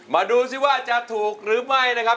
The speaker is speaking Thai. ดูสิว่าจะถูกหรือไม่นะครับ